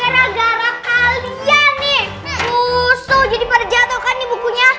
rusuh jadi pada jatohkan nih bukunya